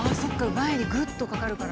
前にグッとかかるから。